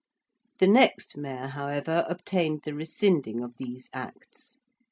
The next Mayor, however, obtained the rescinding of these Acts.